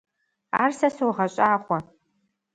Ар сэ согъэщӏагъуэ.